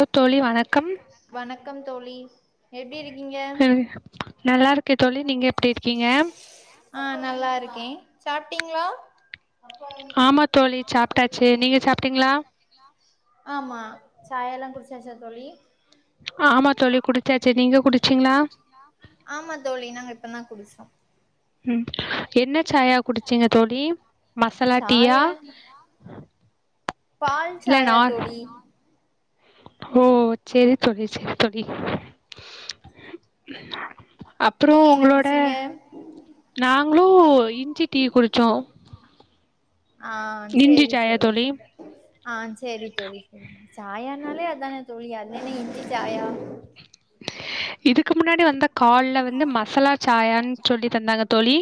hello தோழி வணக்கம் வணக்கம் தோழி எப்டி இருக்கீங்க நல்லாருக்கே தோழி நீங்க எப்டி இருக்கீங்க ஆ நல்லா இருக்கே சாப்ட்டிங்ளா ஆமா தோழி ஆமா தோழி சாப்ட்டாச்சு நீங்க சாப்டாச்சு சாப்ட்டீங்களா நீங்க சாப் ஆமா சாயால்லா குடிச்சாச்சா தோழி ஆமா தோழி குடிச்சாச்சு நீங்க குடிச்சீங்களா ஆமா தோழி நாங்க இப்ப தான் குடிச்சோ ம் என்ன சாயா குடிச்சீங்க தோழி மசாலா டீயா யா பால் இல்ல சாயா நார் தோழி ஓ செரி தோழி செரி தோழி அப்றோ நீங்க என்ன உங்களோட குடிச்சீங்க நாங்களு இஞ்சி டீ குடிச்சோ ஆ இஞ்சி செரி சோ சாயா தோழி செரி ஆ செரி தோழி சாயானாலே அதானே தோழி அது என்ன இஞ்சி சாயா இதுக்கு முன்னாடி வந்த கால்ல வந்து மசலா சாயான்னு சொல்லி தந்தாங்க தோழி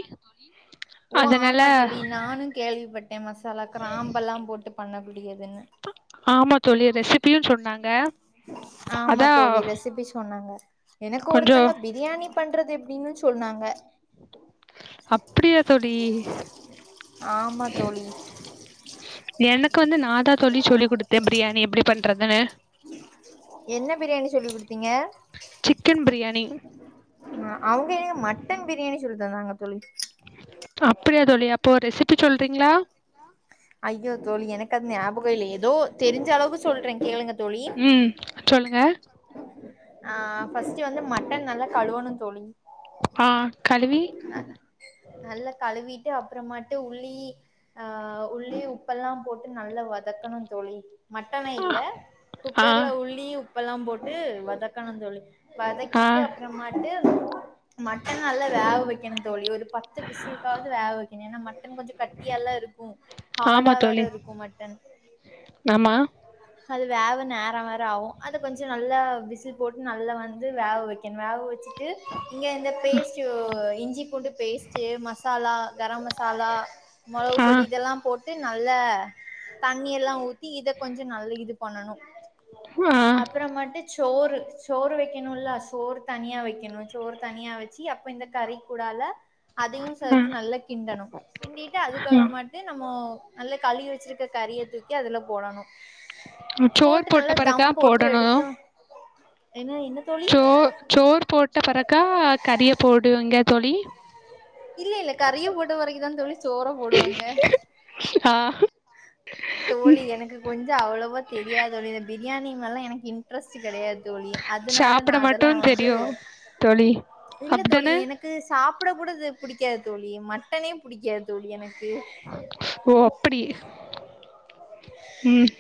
ஓ அதனால ஆமா தோழி நானு கேள்விப்பட்டே மசாலாக் கிராம்பு எல்லா போட்டு பண்ண குடியதுன்னு ஆமாத் ஆமா அதா தோழி ரெசிபி சொன்னாங்க எனக்கு கொஞ்சோ ஒருத்தங்க பிரியாணி பண்றது எப்டின்னு சொன்னாங்க அப்டியா தோழி ஆமா தோழி எனக்கு வந்து நாதா தோழி சொல்லி கொடுத்தே பிரியாணி எப்டி பண்றதுனு என்ன பிரியாணி சொல்லி குடுத்தீங்க சிக்கன் பிரியாணி ஆ அவ்ங்க எனக் மட்டன் பிரியாணி சொல்லி தந்தாங்க தோழி அப்டியா தோழி அப்போ ரெசிபி சொல்றீங்களா ஐய்யோ தோழி எனக்கு அது ஞாபகோயில்லே ஏதோ தெரிஞ்ச அளவுக்கு சொல்றே கேளுங்க தோழி ம் சொல்லுங்க ஆ ஃபஸ்ட் வந்து மட்டன் நல்லா கழுவனு தோழி ஆ கழுவி நல்லா கழுவீட்டு அப்றமாட்டு உள்ளி ஆ உள்ளி உப்பெல்லா போட்டு நல்லா வதக்கணு தோழி மட்டன ஆ இல்ல ஆ குக்கர்ல உள்ளி உப்பெல்லா போட்டு வதக்கணு தோழி ஆ வதக்கீட்டு அப்றமாட்டு மட்டன் நல்லா வேவ வைக்கணு தோழி ஒரு பத்து விசுலுக்காது வேக வக்கணு ஏன்னா மட்டன் கொஞ்சோ கட்டி யால்லா இருக்கு ஆமா ஹார்டா வேற தோழி இருக்கு மட்டன் ஆமா அது வேவ நேரோ வேர ஆகு அத கொஞ்சோ நல்ல விசில் போட்டு நல்ல வந்து வேவ வச்சு கென் வேவ வச்சுட்டு இங்க இந்த பேஸ்ட் இஞ்சி பூண்டு பேஸ்ட்டு மசாலா கரம் மசாலா மொளவு ஆ பொடி இதெல்லா போட் சோ நல்ல தண்ணி எல்லா ஊத்தி இத கொஞ்சோ நல்ல இது பண்ணணு ஆ அப்புற மட்டு சோறு சோறு வெக்கணுல்ல சோறு தனியா வெக்கணு சோறு தனியா வச்சு அப்ப இந்த கறி கூடால அதயு ஆ சேத்து நல்ல கிண்டணு கிண்டிட்டு ஆ அதுக்கப்புறமேட்டு நம்மோ நல்ல கழிவி வச்சிருக்க கறிய தூக்கி அதுல போடணு சோறு போட்டு போட்ட நல்லா பெறகா தம் போட்டு போடணு எடுத்தோம் ஏன்னா என்ன தோழி சோ சோறு போட்ட பிறக்கா கறிய போடுவீங்க தோழி இல்ல இல்ல கறிய போட்ட வரைக்கும்தா தோழி சோற போடுவாங்க ஆ தோழி எனக்கு கொஞ்சம் அவ்வளவா தெரியாதது இந்த பிரியாணி மேல்லா எனக்கு இன்ட்ரெஸ்ட் கெடையாது தோழி அதனால நா சாப்பிட மட்டு அதெல்லா வந்து தெரியு தோழி இல்ல தோழி அப்டிதானே எனக் கு சாப்டக்கூட இது பிடிக்கா தோழி மட்டனே பிடிக்கா தோழி எனக்கு ஓ அப்படி ம்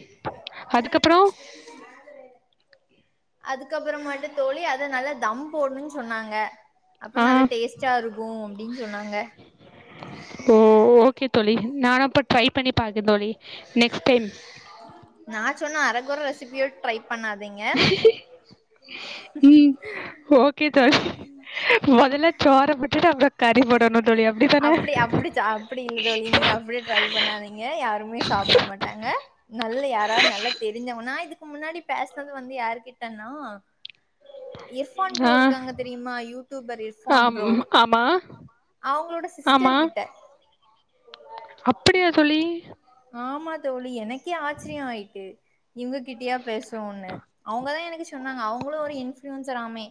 அதுக்கப்புறோ அதுக்கப்புறமேட்டு தோழி அத நல்லா தம் போடணு சொன்னாங்க ஆ அப்றோ நல்ல டேஸ்ட்டா இருக்கும் அப்டின் சொன்னாங்க ஓ ஓகே தோழி நானும் இப்ப ட்ரை பண்ணி பாக்க தோழி நெக்ஸ்ட் டைம் நா சொன்ன அரக்கொர ரெசிபிய ட்ரை பண்ணாதீங்க [inaudible] ம் ஓகே தோழி மொதல்ல சோர விட்டுட்டு அப்ற கறி போடணு தோழி அப்டி தான அப்டி ச அப்டி இல்ல தோழி நீங்க அப்டி ட்ரை பண்ணாதீங்க யாருமே சாப்ட மாட்டாங்க நல்ல யாரா நல்லா தெரிஞ்சவங்க நா இதுக்கு முன்னாடி பேசனது வந்து யாரு கிட்டனா இர்ஃபான் ப்ரோ ஆ இருக்காங்க தெரியுமா யூடியூபர் இர்ஃபான் ஆம் ப்ரோ ஆமா அவங்ளோட ஆமா சிஸ்டர் கிட்ட அப்படியா தோழி ஆமா தோழி எனக்கே ஆச்சிரியம் ஆயிட்டு இவங்ககிட்டயா பேசுவோம்ன்னு அவங்கதா எனக்கு சொன்னாங்க அவங்களும் ஒரு இன்ஃளுயுன்சராமே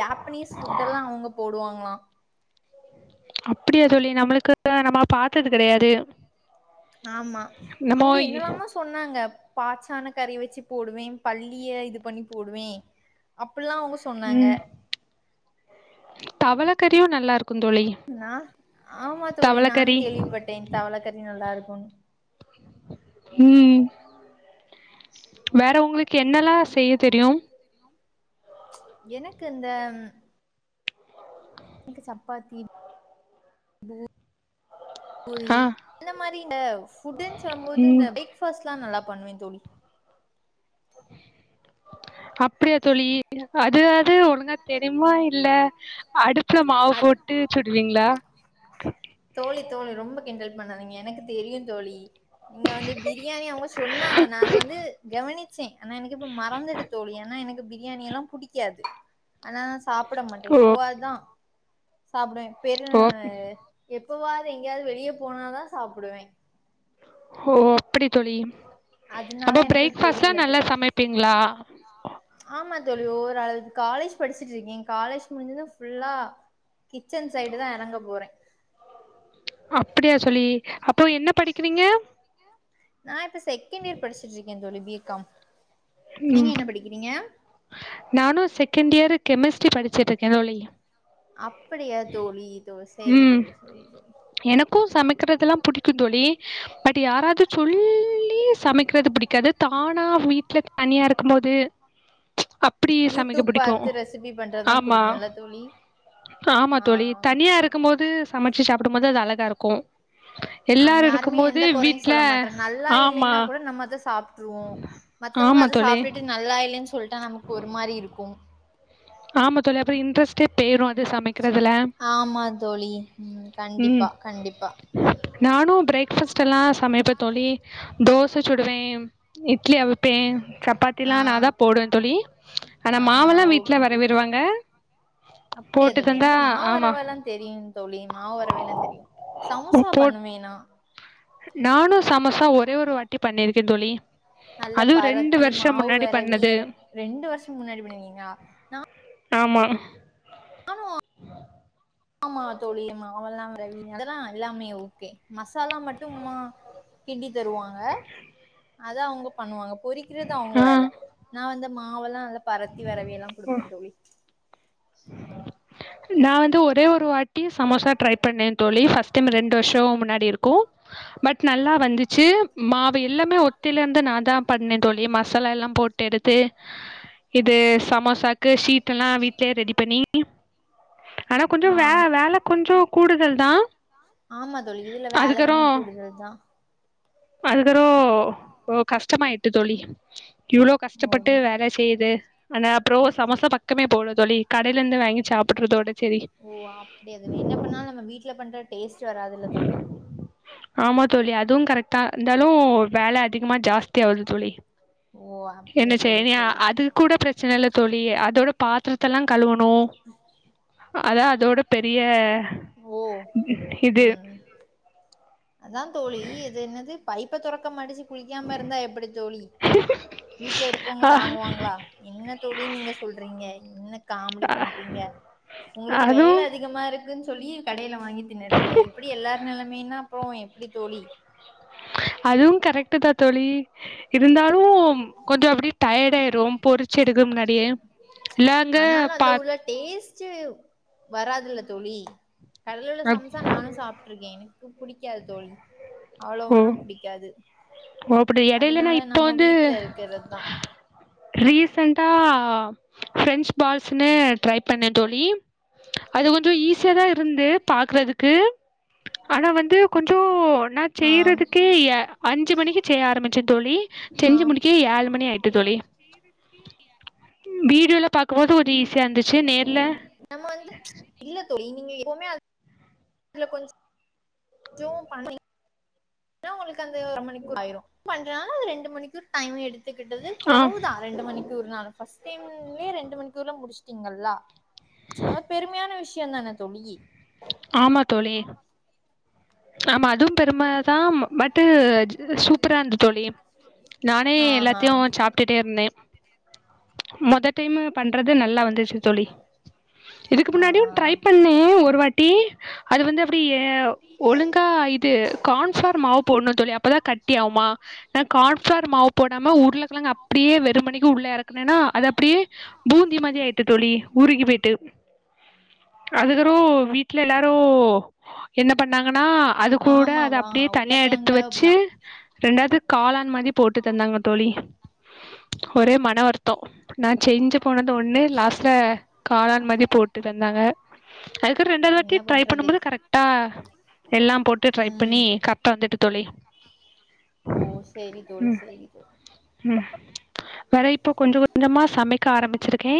ஜாப்பனீஸ் ஃபுட் எல்லா அவங்க போடுவாங்ளாம் அப்பிடியா தோழி நம்மளுக்கு [inaudible] நம்ம பாத்தது கெடயாது ஆமா அவுங்க என்னலாமோ சொ சொன்னாங்க பாச்சான கறி வெச்சு போடுவே பல்லிய இது பண்ணி போடுவே அப்பில்லா அவங்க சொன்னாங்க தவள கறியும் நல்லா இருக்கும் தோழி நா ஆமா தோழி நானும் தவளக்கறி கேள்விப்பட்டேன் தவள கறி நல்லா இருக்குனு ம் வேற உங்ளுக் என்னெல்லா செய்ய தெரியும் எனக்கு இந்த எனக்கு சப்பாத்தி இதுவு தோழி ஆ அந்த மாரி இந்த ஃபுட்டுன் சொல்மோது இந்த ம் அப்டே க் ஃபஸ்ட்லா நல்லா பண்ணுவ தோழி அப்டியா தோழி அதுவாவ்து ஒழுங்கா தெரியுமா இல்ல அடுப்புல மாவு அ போட்டு சுடுவீங்ளா தோழி தோழி ரொம்ப கிண்டல் பண்ணாதீங்க எனக்கு தெரியும் தோழி நீங்க வந்து பிரியாணி அவங்க சொன்னாங்க நா அத வந்து கவனிக் சரி ஆனா எனக்கு இப்ப மறந்துடு தோழி ஆனா எனக்கு பிரியாணி எல்லா புடிக்காது ஆனா சாப்ட மாட்டே ஓ எப்பாவதுதா சாப்வே பெரு ஓ எப்பவாது எங்கேயாது வெளியே போனாதா சாப்டுவே ஓ அப்டி தோழி அதனால அப்ப பிரேக்பாஸ்ல நல்லா சமைப்பீங்ளா ஆ ஆமா தோழி ஒவ்வொரு அளவுக்கு காலேஜ் படிச்சுட்டு இருக்கே காலேஜ் முடிஞ்சது ஃபுல்லா கிச்சன் சைடுதா எறங்க போறே அப்டியா தோழி அப்போ என்ன படிக்கிறீங்க நா இப்ப செகண்ட் இயர் படிச்சுட்டு இருக்கே தோழி பி கம் நீங்க ம் என்ன படிக்கிறீங்க நானு செகண்ட் இயர் கெமிஸ்ட்ரி படிச்சுட்டு இருக்கே தோழி அப்டியா தோழி தோ சேரி ம் தோழி சேரி தோழி எனக்கு சமைக்கிறதுல்லா புடிக்கு தோழி பட் யாரா து சொல்லி சமைக்றது பிடிக்காது தானா வீட்ல இருக்கு போது அப் அப்டி சமைக்க யூடியூப் புடிக்கு பாத்து ரெசிபி பண்றதுதா ஆமா புடிக்குல்ல தோழி ஆமா ஆ தோழி தனியா இருக் க்கு போது சமச்சு சாப்டு போது அது அழகா இருக்கு ஆம் எல்லாரு யாருமே இருக்கும் போது எந்தக் கொறையு வீட்ல சொல்ல மாட்றே நல்லா ஆமா இல்லேன்னா கூட நம்ம அத சாப்ட்டுருவோ மத்தவங்க ஆமா அத தோழி சாப்ட்டுட்டு நல்லா இல்லேன்னு சொல்லிட்டா நமக்கு ஒரு மாரி இருக்கு ஆமா தோழி அப்றோ இன்ட்ரெஸ்ட்டே பெயுரு அது சமைக்றதுல ஆமா தோழி ம் கண்டிப்பா கண்டிப்பா நானு பிரேக்ஃபாஸ்ட்டுல்லா சமப்பே தோழி தோச சுடுவே இட்லி அவி ப்பே ஆ சப்பாத்தில்லா நாதா போடுவே தோழி ஆனா ஆ ஆ மாவெல்லா‌ வீட் ல ஓகே வரவிருவாங்க அப்படியா போட்டு தோழி தந்தா எனக்கு ஆமா மாவரவல்லா தெரியு தோழி மாவு வெரவேல்லா தெரியு சமோசா பண்ணுவே நா நானு சமோசா ஒரே ஒரு வாட்டி பண்ணிருக்கே தோழி நல்லா அதுவும் ரெண்டு பரத்தி வருஷம் மாவு முன்னாடி வெரவி பண்ணது ரெண்டு வர்ஷோ முன்னாடி பண்ணிருக்கீங்லா ஆமா ஆமாவா ஆமா தோழி மாவுல்லா வெரவி அதெல்லா எல்லாமே ஓகே மசாலா மட்டு ம்மா கிண்டித் தருவாங்க அத அவுங்க பண்ணுவாங்க பொறிக்கிறது அவுங்க ஆ வேல நா வந்து மாவெல்லா நல்லா பரத்தி வெரவி எல்லா குடுப்பே தோழி நா வந்து ஒரே ஒரு வாட்டி சமோசா ட்ரை பண்ணே தோழி ஃபஸ்ட் டைம் ரெண்டு வர்ஷோ முன்னாடி இருக்கு பட் நல்லா வந்துச்சு மாவு எல்லாமே ஒத்திலருந்து நாதா பண்ணே தோழி மசாலா எல்லா போட்டெடுத்து இது சமோசாக்கு ஷீட்டெல்லா வீட்லயே ரெடி பண்ணி ஆனா கொஞ்சோ ஆ வே வேல கொஞ்சோ கூடுதல்தா ஆமா தோழி இதுல வேல கொஞ்சோ கூடுதல்தா வந்துறோ ஒ கஷ்டமாயிட்டு தோழி இவ்ளோ ஓ கஷ்டப்பட்டு வேல செய்து ஆனா அப்பறோ சமோசா பக்கமே போல தோழி கடையிலந்து வாங்கி சாப் ஓ அப்டியா தோழி என்ன பண்ணாலு நம்ம வீட்ல பண்ற டேஸ்ட் வராதுல்ல தோழி ஆமா தோழி அதுவு கரெக்ட்தா இருந்தாலு வேல அதிகமா ஜாஸ்தி ஆவுது தோழி ஓ என்ன அப்டியா தோழி செய்ய சேரி அது சேரி கூட பிரச் ச்சன இல்ல தோழி அதோட பாத்திரத்த எல்லா கழுவணு அதான் அதோட பெரிய ஓ இது ம் அதா தோழி இது என்னது பைப்ப தொறக்க மனுஷன் குளிக்காம இருந்தா எப்பிடி தோழி வீட்ல இருப்பவுங்க தாங்குவாங்களா என்ன தோழி நீங்க சொல்றீங்க என்ன காமெடி ஆ பண்றீங்க உங்குளுக்கு அதுவு வேல அதிகமா இருக்குன் சொல்லி கடைல வாங்கி தின்னுறீங்க இப்பிடி எல்லார் நெலமைன்னா அப்றோ எப்பிடி தோழி அதுவு கரெக்ட்டு தா தோழி இருந்தாலு கொஞ்சோ அப்டியே டயர்ட் ஆயிரு பொரிச்சு எடுக்குற முன்னாடியே இல்லாங்க ஆனாலு பா அதுல உள்ள டேஸ்ட்டு வராதுல்ல தோழி கடைல உள்ள சம்சா நானு சாப்ட் ட்ருக்கே எனக்கு புடிக்காது தோழி ஓ அவ்ளோவாலா ஓ புடிக்காது அப்டி எடையில நா அதனால இப்ப நம்ம வீட் ரீசெண்ட்டா ஃப்ரெஞ்ச் பால்ஸ்ன்னு ட்ரை பண்ணே தோழி அது கொஞ்சோ ஈஸியாதா இருந்து பாக்குறதுக்கு ஆனா வந்து கொஞ்சோ ந செய்றதுக்கே அஞ்சு மணிக்கு செய்ய ஆரமிச்சே தோழி ஆ செஞ்சு முடிக்கே ஏழு மணி ஆயிட்டு தோழி வீடியோல பாக்கும்போது கொஞ்சோ ஈஸியா இருந்துச்சு நேர்ல நம்ம வந்து இல்ல தோழி நீங்க எப்புமே அது அதுல கொஞ்சோ பன்னி தா உங்குளுக்கு அந்த ஒரு மணி [inaudible] ஆயிரு [inaudible] பண்றனால அத ரெண்டு மணிக்கு டைம் எடுத்துக்கிட்டது ஆ குறவுதா ரெண்டு மணிக்கு ஒரு நாள் ஃபஸ்ட் டைம்லே ரெண்டு மணிக்குள்ள முடிச்ட்டீங்கல்லா அது பெருமையான விஷ்யந்தான தோழி ஆமா தோழி ஆமா அதுவு பெருமதா பட்டு இது சூப்பராருந்துச் தோழி நானே ஆஹா எல்லாத்தையு சாப் டுட்டே இருந்தே மொத டைமு பண்றது நல்லா வந்துச்சு தோழி இதுக்கு ஆ முன்னாடியு ட்ரை பண்ணே ஒரு வாட்டி அது வந்து அப்டி ஏ ஒழுங்கா இது கார்ன்ஃபிளார் மாவு போட்ணு தோழி அப்பதா கட்டி ஆவுமா நா கார்ன்ஃபிளார் மாவு போடாம உர்ளக்கெழங்க அப்டியே வெறுமணிக்கு உள்ள எறக்குனனா அது அப்டியே பூந்தி மாதிரி ஆயிட்டு தோழி உருகி போயிட்டு அதுக்கற வீட்ல எல்லாரு என்ன பண்ணாங்கனா அது கூட அத ஆமாவா அப்டியே தனியா எடுத்து உருளைக்கிழங்கு வச்சு அப்டிதா ரெண்டாது காளான் மாரி போட்டு தந்தாங்க தோழி ஒரே மன வருத்தோ நா செஞ்சு போனது ஒன்னு லாஸ்ட்ல காளான் மாரி போட்டு தந்தாங்க அதுக்கற ரெண்டாது ட்டி என்ன ட்ரை பண்றது பண்ணும்போது கரெக்டா எல்லா போட்டு ட்ரை பண்ணி ம் கரெக்டா வந்துட்டு தோழி ஓ சேரி தோழி ம் சேரி ம் வேற இப்போ கொஞ்ச கொஞ்சமா சமைக்க ஆரம்பிச்சிருக்கே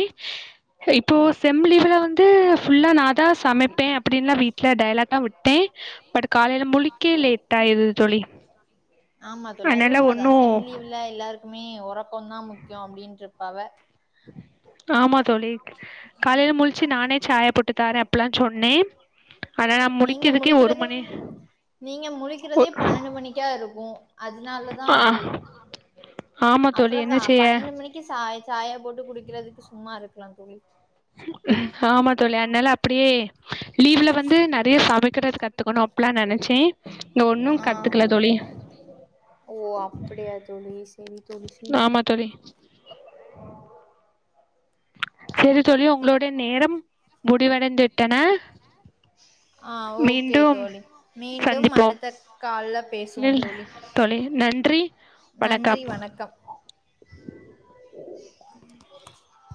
இப்போ செம் லீவுல வந்து ஃபுல்லா நா தா சமைப்பே ல்ல வீட்ல டயலாக் தா விட்டே பட் காலைல முழிக்க லேட் ஆயிருது தோழி ஆமா தோழி அது அதனால உண்ம தா ஒன்னு செம் லீவுல எல்லாருக்குமே உறக்கோந்தா முக்கியோ அப்டின் இருப்பாவ ஆமா தோழி காலைல முழிச்சு நானே சாய போட்டு தாரே அப்புல்லா சொன்னே ஆனா நா நீங்க முழிக்கிறதுக்கே ஒரு முழிக்றதே மணி நீங்க ஒ முழிக்றதே பன்னெ மணிக்கா இருக்கு அதனாலதா ஆ அப்டி ஆமா தோழி அப்பற என்ன கா செய்ய பன்னெண்டு மணிக்கு சாய் சாயா போட்டு குடிக்கறதுக்கு சும்மா இருக்கலா தோழி ஆமா தோழி அதனால அப்டியே லீவ்ல வந்து நெறைய சமைக்கிறது கத்துக்கணு அப்பல்லா நினைச்ச இங்க ஒன்னு ஆ கத்துக்கல தோழி ஓ அப்டியா தோழி சரி தோழி சரி ஆமா தோழி சரி தோழி உங்களளுடைய நேரம் முடிவடைந்து விட்டன ஆ ஓகே மீண்டும் தோழி மீண்டும் சந்திப்போம் அடுத்த கால்ல பேசுவோம் இல் தோழி தோழி நன்றி நன்றி வணக்கம்